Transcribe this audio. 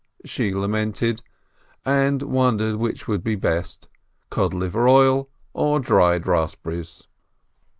she lamented, and won dered which would be best, cod liver oil or dried raspberries.